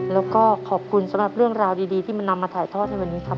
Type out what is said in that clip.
แล้วก็ขอบคุณสำหรับเรื่องราวดีที่มันนำมาถ่ายทอดให้วันนี้ครับ